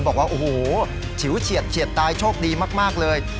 บอกว่าโอ้โหฉิวเฉียดเฉียดตายโชคดีมากเลย